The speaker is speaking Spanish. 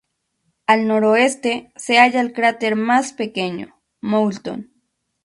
Al noroeste se halla el cráter más pequeño Moulton.